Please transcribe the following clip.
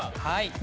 はい。